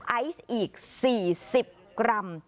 ไอซ์อีก๔๐กรัม